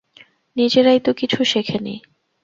নিজেরাই তো কিছু শেখে নি।